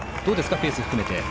ペースを含めて。